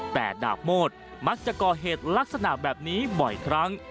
แต่ดาบโมดมักจะก่อเหตุลักษณะแบบนี้บ่อยครั้ง